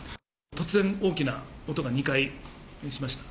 突然、大きな音が２回しました。